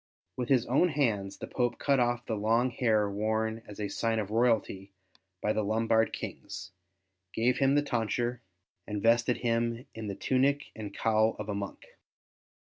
With his own hands the Pope cut off the long hair worn as a sign of royalty by the Lombard Kings, gave him the tonsure, and vested him in the tunic and cowl of a monk.